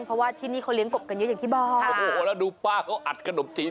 เขาไม่สนใจใครอ่ะดูนี่